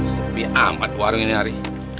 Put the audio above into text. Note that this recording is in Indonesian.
sepi amat warung ini hari